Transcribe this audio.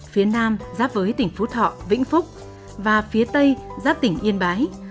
phía nam giáp với tỉnh phú thọ vĩnh phúc và phía tây giáp tỉnh yên bái